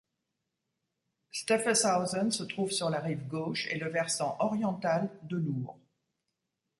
Steffeshausen se trouve sur la rive gauche et le versant oriental de l'Our.